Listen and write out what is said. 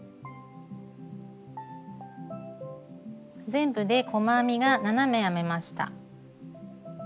全部で細編みが７目編めました。